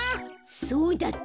そうだった。